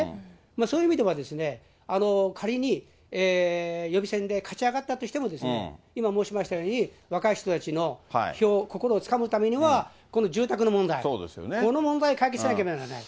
そういう意味では、仮に予備選で勝ち上がったとしても、今もうしましたように、若い人たちの票、心をつかむためには、この住宅の問題、この問題を解決しなきゃならない。